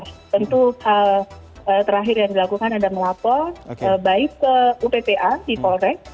tentu hal terakhir yang dilakukan adalah melapor baik ke uppa di polres